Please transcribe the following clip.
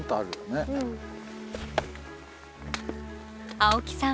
青木さん